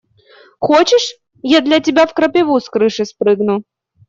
Хочешь, я для тебя в крапиву с крыши спрыгну?